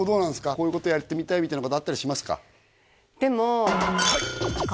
こういうことやってみたいみたいなことあったりしますか？